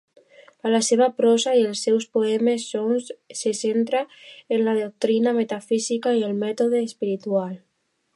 A la seva prosa i els seus poemes, Schoun se centra en la doctrina metafísica i el mètode espiritual.